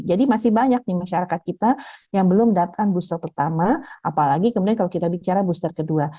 jadi masih banyak nih masyarakat kita yang belum dapatkan booster pertama apalagi kemudian kalau kita bicara booster kedua